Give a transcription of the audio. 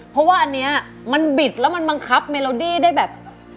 เพราะว่าอันนี้มันบิดแล้วมันบังคับเมโลดี้ได้แบบ